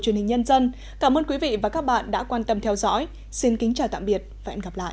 truyền hình nhân dân cảm ơn quý vị và các bạn đã quan tâm theo dõi xin kính chào tạm biệt và hẹn gặp lại